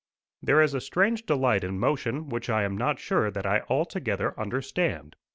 There is a strange delight in motion, which I am not sure that I altogether understand.